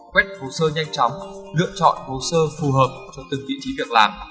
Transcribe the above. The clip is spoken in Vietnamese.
quét hồ sơ nhanh chóng lựa chọn hồ sơ phù hợp cho từng vị trí việc làm